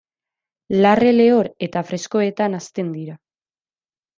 Larre lehor eta freskoetan hazten dira.